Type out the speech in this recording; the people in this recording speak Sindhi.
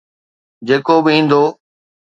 جيڪو به ايندو.